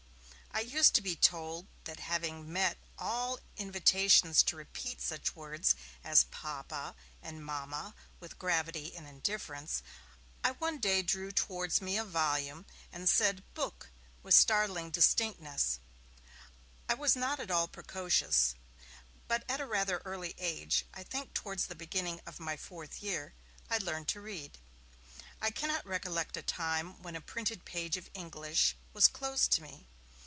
I used to be told that having met all invitations to repeat such words as 'Papa' and 'Mamma' with gravity and indifference, I one day drew towards me a volume, and said 'book' with startling distinctness. I was not at all precocious, but at a rather early age, I think towards the beginning of my fourth year, I learned to read. I cannot recollect a time when a printed page of English was closed to me.